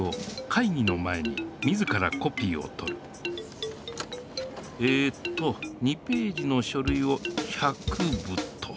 かいぎの前に自らコピーをとるえっと２ページのしょるいを１００部と。